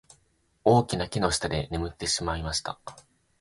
大きな木の下で眠っていました。